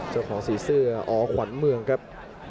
เจ้าของสีเสื้ออขวันเมืองครับ